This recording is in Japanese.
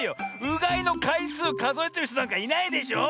うがいのかいすうかぞえてるひとなんかいないでしょ。